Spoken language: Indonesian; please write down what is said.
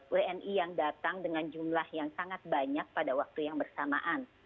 wni yang datang dengan jumlah yang sangat banyak pada waktu yang bersamaan